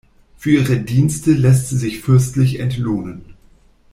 Für ihre Dienste lässt sie sich fürstlich entlohnen.